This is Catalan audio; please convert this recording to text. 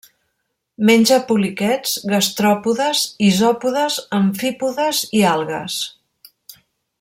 Menja poliquets, gastròpodes, isòpodes, amfípodes i algues.